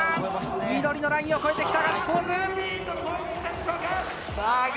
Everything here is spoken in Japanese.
緑のラインを越えてきた！